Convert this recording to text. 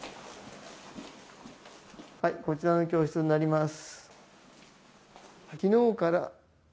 こちらの教室になります。